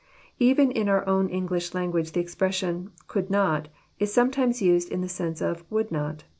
Even in our own English language the expression, <* could not, " is sometimes used in the sense of would* not."